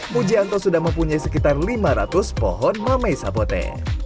mujianto sudah mempunyai sekitar lima ratus pohon mamei sapote